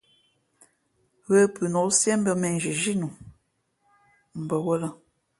Ghə pʉnok siē mbᾱ mēnzhi zhínu bαwᾱlᾱ.